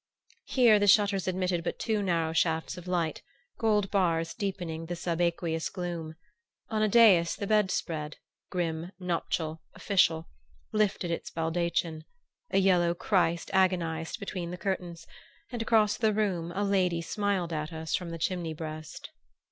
Here the shutters admitted but two narrow shafts of light, gold bars deepening the subaqueous gloom. On a dais the bedstead, grim, nuptial, official, lifted its baldachin; a yellow Christ agonized between the curtains, and across the room a lady smiled at us from the chimney breast.